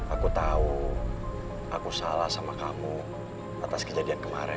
aku tau aku salah sama kamu atas kejadian kemaren